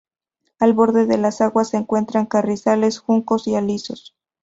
Al borde de las aguas se encuentran carrizales, juncos y alisos.